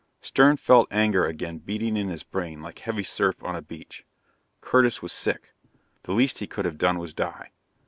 Stern felt anger again beating in his brain like heavy surf on a beach. Curtis was sick. The least he could have done was die.